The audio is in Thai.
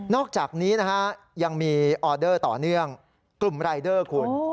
อกจากนี้นะฮะยังมีออเดอร์ต่อเนื่องกลุ่มรายเดอร์คุณ